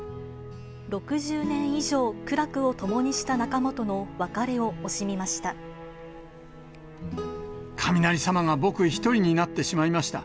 ６０年以上苦楽を共にした仲間との別れを惜しみました。